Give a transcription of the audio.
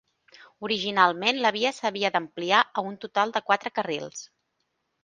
Originalment, la via s'havia d'ampliar a un total de quatre carrils.